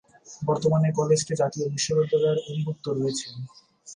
বর্তমানে কলেজটি জাতীয় বিশ্ববিদ্যালয়ের অধিভুক্ত রয়েছে।